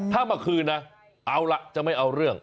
ถ้ามาคืนนะเอาล่ะจะไม่เอาเรื่อง